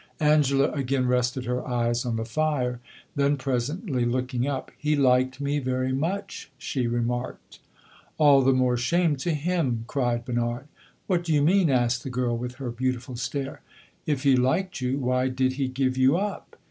Angela again rested her eyes on the fire; then presently, looking up "He liked me very much," she remarked. "All the more shame to him!" cried Bernard. "What do you mean?" asked the girl, with her beautiful stare. "If he liked you, why did he give you up?"